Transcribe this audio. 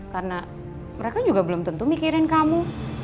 karena mereka juga belum tentu mikirin kamu